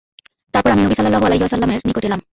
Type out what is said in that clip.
তারপর আমি নবী সাল্লাল্লাহু আলাইহি ওয়াসাল্লামের নিকট এলাম।